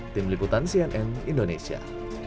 tim liputan cnn indonesia